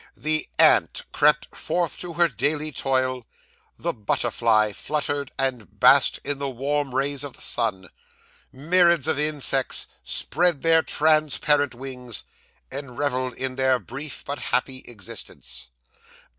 The ant crept forth to her daily toil, the butterfly fluttered and basked in the warm rays of the sun; myriads of insects spread their transparent wings, and revelled in their brief but happy existence.